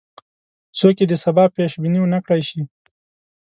څوک یې د سبا پیش بیني ونه کړای شي.